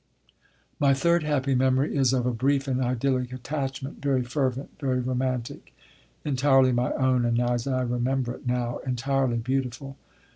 My third happy memory is of a brief and idyllic attachment, very fervent, very romantic, entirely my own, and as I remember it, now, entirely beautiful.